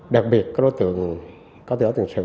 đặc biệt có đối tượng có thiếu hóa tiền sự